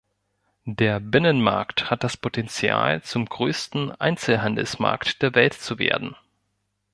Der Binnenmarkt hat das Potenzial, zum größten Einzelhandelsmarkt der Welt zu werden.